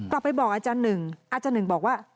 กลับไปบอกอาจารย์หนึ่งอาจารย์หนึ่งบอกว่า